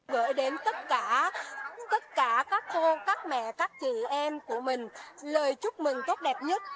gửi đến tất cả các cô các mẹ các chị em của mình lời chúc mừng tốt đẹp nhất